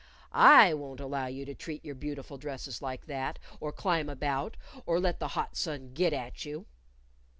I won't allow you to treat your beautiful dresses like that, or climb about, or let the hot sun git at you."